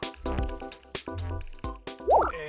え